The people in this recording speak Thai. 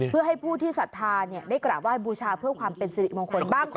เพื่อให้ผู้ที่สัทธานี้ได้กระว่ามบูชาเพื่อความเป็นสิริภารคล